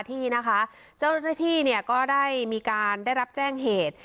ที่นะคะเจ้าหน้าที่เนี่ยก็ได้มีการได้รับแจ้งเหตุ